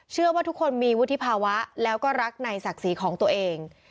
เชื่อว่าทุกคนมีวุฒิภาวะแล้วก็รักในศักดิ์ศรีของตัวเอง